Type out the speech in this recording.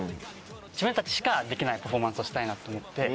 自分たちしかできないパフォーマンスをしたいなと思って。